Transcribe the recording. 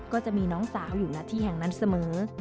ก็จะมีน้องสาวอยู่หน้าที่แห่งนั้นเสมอ